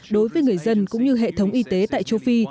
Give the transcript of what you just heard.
đối với người dân cũng như hệ thống y tế tại châu phi